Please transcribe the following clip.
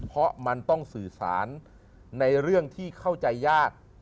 เพราะมันต้องสื่อสารในเรื่องที่เข้าใจยาก